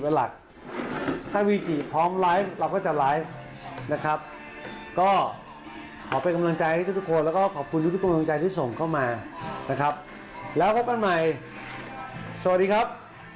พร้อมไลฟ์เราก็จะไลฟ์นะครับก็ขอเป็นกำลังใจให้ทุกคนแล้วก็ขอบคุณทุกกำลังใจที่ส่งเข้ามานะครับแล้วพบกันใหม่สวัสดีครับ